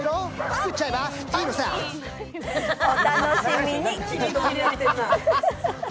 お楽しみに。